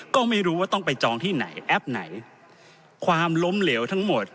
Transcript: ก็ไม่รู้ว่าต้องไปจองที่ไหนแอปไหนความล้มเหลวทั้งหมด